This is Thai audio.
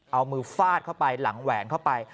เอามือฟาดเข้าไปหลังแหวนเข้าไป